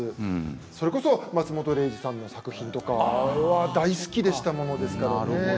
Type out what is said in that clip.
それこそ松本零士さんの作品とか大好きでしたものですからね。